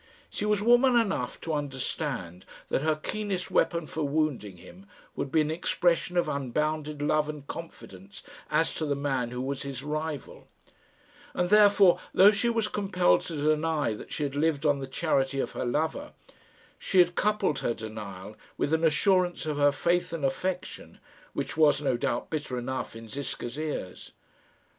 She was woman enough to understand that her keenest weapon for wounding him would be an expression of unbounded love and confidence as to the man who was his rival; and therefore, though she was compelled to deny that she had lived on the charity of her lover, she had coupled her denial with an assurance of her faith and affection, which was, no doubt, bitter enough in Ziska's ears.